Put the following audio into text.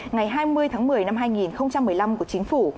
ngày hai mươi tháng một mươi năm hai nghìn một mươi năm của chính phủ